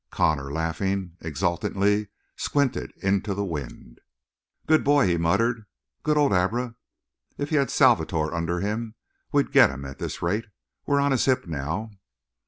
Connor, laughing exultantly, squinted into the wind. "Good boy!" he muttered. "Good old Abra! If he had Salvator under him we'd get him at this rate. We're on his hip Now!"